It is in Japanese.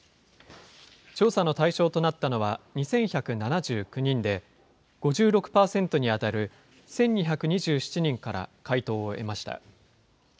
調査の対象となったのは２１７９人で、５６％に当たる１２２７人から回答を得ました。